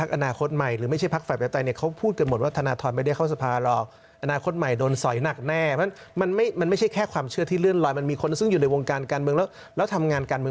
เขาเชื่อแบบนี้ว่ามันจะมีกระบวนการแบบนี้ไง